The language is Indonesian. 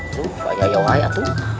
loh banyak yang bahaya tuh